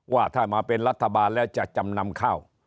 ว่าถ้ามาเป็นรัฐบาลแล้วจะจำนำข้าว